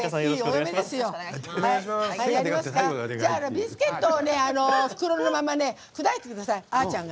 ビスケットを袋のまま砕いてください、あーちゃんが。